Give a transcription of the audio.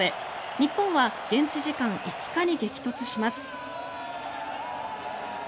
日本は現地時間５日に激突します。